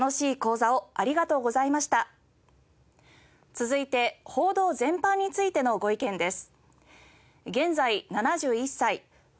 続いて報道全般についてのご意見です。